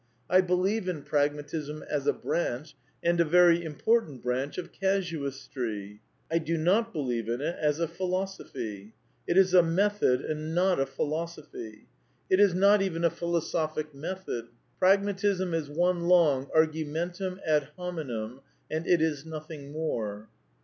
I believe in Prag matism as a branch, and a very important branch of casu * istry. I do not believe in it as a philosophy. It is a j method and not a ph i l osoph y. It is not even a philosophic viii INTEODUCTION method. Pragmatism is one long argummtum ad %o l minem, and it is nothing more.